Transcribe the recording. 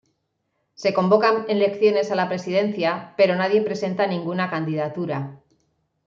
Se convocan elecciones a la presidencia, pero nadie presenta ninguna candidatura.